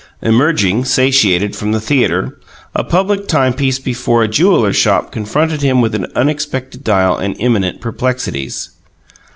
Emerging, satiated, from the theatre, a public timepiece before a jeweller's shop confronted him with an unexpected dial and imminent perplexities.